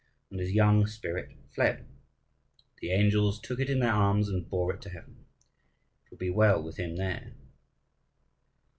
and his young spirit fled. The angels took it in their arms and bore it to heaven: it will be well with him there.